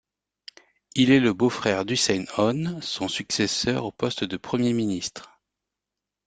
Il est le beau-frère d'Hussein Onn, son successeur, au poste de Premier ministre.